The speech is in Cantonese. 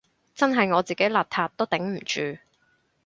真係我自己邋遢都頂唔住